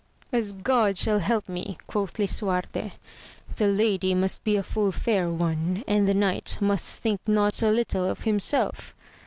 As God shall help me, quoth Lisuarte, the lady must be a full fair one, and the knight must think not a little of himself